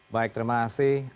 baik terima kasih